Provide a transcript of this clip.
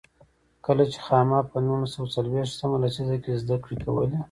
کله چې خاما په نولس سوه څلوېښت مه لسیزه کې زده کړې کولې.